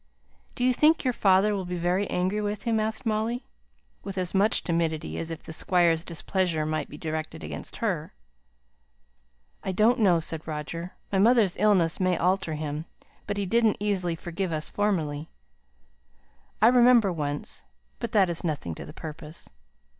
"Do you think your father will be very angry with him?" asked Molly, with as much timidity as if the squire's displeasure might be directed against her. "I don't know," said Roger. "My mother's illness may alter him; but he didn't easily forgive us formerly. I remember once but that is nothing to the purpose.